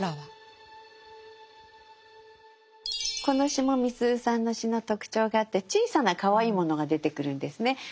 この詩もみすゞさんの詩の特徴があって小さなかわいいものが出てくるんですね。